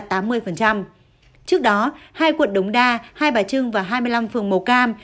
trước đó hai quận đống đa hai bà trưng và hai mươi năm phường màu cam